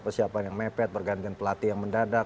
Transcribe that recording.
persiapan yang mepet pergantian pelatih yang mendadak